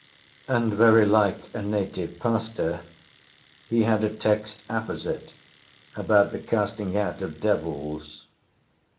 And, very like a native pastor, he had a text apposite about the casting out of devils.